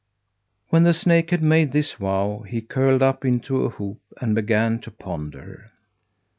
When the snake had made this vow he curled up into a hoop and began to ponder.